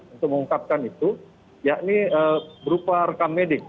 untuk mengungkapkan itu yakni berupa rekam medik